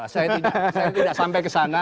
saya tidak sampai ke sana